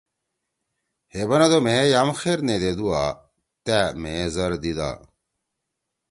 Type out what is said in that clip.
ہے بندُو مھیئے یام خیر نیدے دُوا، تا مھیئے ذر دیِدا۔